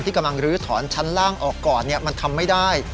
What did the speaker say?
กำลังลื้อถอนชั้นล่างออกก่อนมันทำไม่ได้